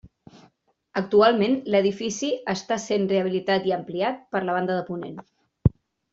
Actualment, l'edifici està essent rehabilitat i ampliat per la banda de ponent.